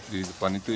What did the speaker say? di depan itu ya